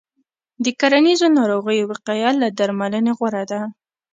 د کرنیزو ناروغیو وقایه له درملنې غوره ده.